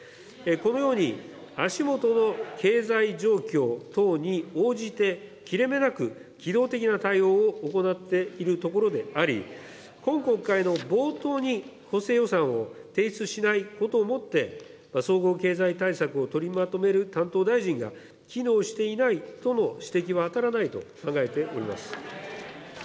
このように足下の経済状況等に応じて切れ目なく機動的な対応を行っているところであり、今国会の冒頭に補正予算を提出しないことをもって、総合経済対策を取りまとめる担当大臣が機能していないとの指摘は当たらないと考えております。